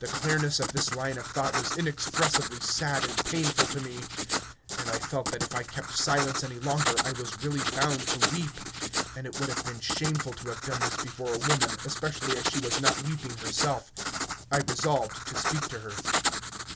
The clearness of this line of thought was inexpressibly sad and painful to me, and I felt that if I kept silence any longer I was really bound to weep... And it would have been shameful to have done this before a woman, especially as she was not weeping herself. I resolved to speak to her.